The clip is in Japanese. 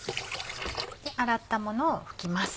洗ったものを拭きます。